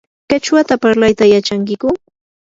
¿qichwata parlayta yachankiyku?